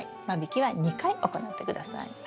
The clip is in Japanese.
間引きは２回行って下さい。